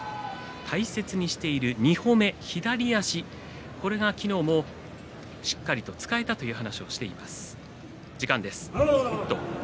大切にしてきている２歩目、左足それが昨日もしっかりと使えたという話をしていました。